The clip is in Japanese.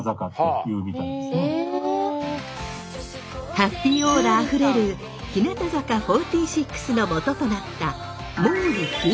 ハッピーオーラあふれる日向坂４６のもととなった毛利日向